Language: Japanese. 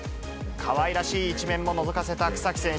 かわいらしい一面ものぞかせた草木選手。